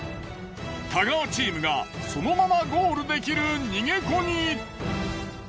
太川チームがそのままゴールできる逃げ子に。